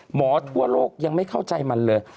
ทั่วโลกยังไม่เข้าใจมันเลย